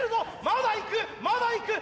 まだいくまだいく！